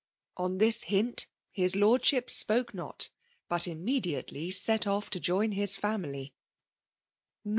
" On this hint, his Lordship spoke hot, but immediately set off to join hb family ; nor did VOL.